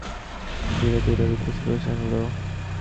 তবে ধীরে ধীরে বিদেশি প্রতিষ্ঠানগুলো শেয়ার ছাড়তে শুরু করে।